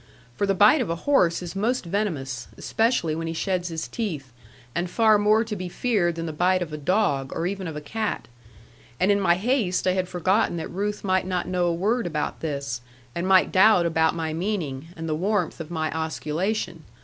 For the bite of a horse is most venomous; especially when he sheds his teeth; and far more to be feared than the bite of a dog, or even of a cat. And in my haste I had forgotten that Ruth might not know a word about this, and might doubt about my meaning, and the warmth of my osculation.